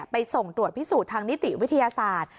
ไปส่งตรวจพิสูจน์ทางนิติวิทยาศาสตร์